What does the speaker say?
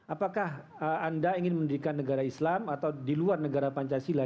apakah anda ingin mendirikan negara islam atau di luar negara pancasila